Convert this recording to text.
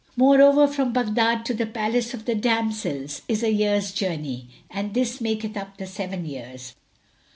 [FN#176] Moreover, from Baghdad to the palace of the damsels is a year's journey, and this maketh up the seven years."